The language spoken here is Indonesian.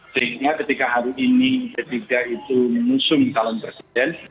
sehingga ketika hari ini ketika itu menusung calon presiden